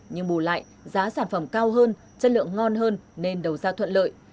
nhưng bù lại giá sản phẩm cao hơn chất lượng ngon hơn nên đầu ra thuận lợi